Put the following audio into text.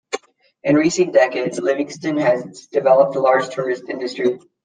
In recent decades Livingston has developed a large tourist industry.